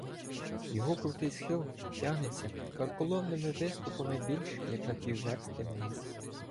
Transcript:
Його крутий схил тягнеться карколомними виступами більш як на півверсти вниз.